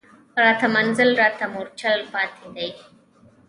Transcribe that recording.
راته منزل راته مورچل پاتي دی